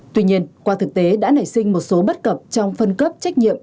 tuy nhiên qua thực tế đã nảy sinh một số bất cập trong phân cấp trách nhiệm